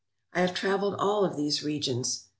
I have travelled through all of these regions.